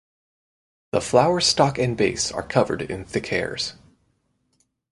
The flower stalk and base are covered in thick hairs.